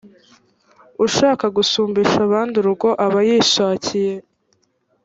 ushaka gusumbisha abandi urugo aba yishakiye